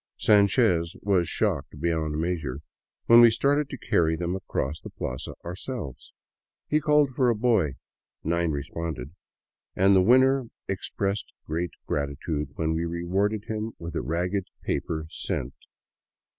Sanchez was shocked beyond measure when we started to carry them across the plaza ourselves. He called for a boy, nine responded, and the winner expressed great gratitude when we rewarded him with a ragged paper cent.